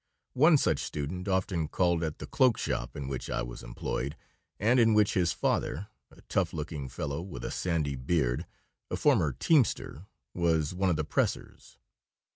One such student often called at the cloak shop in which I was employed, and in which his father a tough looking fellow with a sandy beard, a former teamster was one of the pressers.